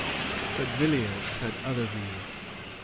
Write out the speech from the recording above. But Villiers had other views.